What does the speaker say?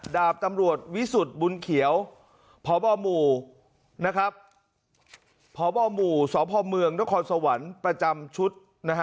ดาบตำรวจวิสุทธิ์บุญเขียวพบหมู่พบหมู่สพเมืองนครสวรรค์ประจำชุด